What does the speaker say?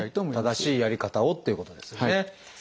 正しいやり方をということですよね。